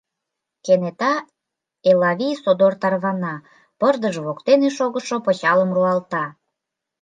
Кенета Элавий содор тарвана, пырдыж воктене шогышо пычалым руалта.